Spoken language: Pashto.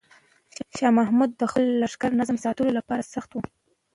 شاه محمود د خپل لښکر نظم ساتلو لپاره سخت و.